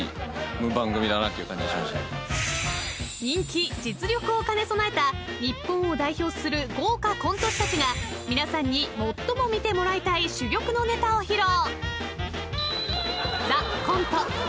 人気、実力を兼ね備えた日本を代表する豪華コント師たちが皆さんに最も見てもらいたい珠玉のネタを披露。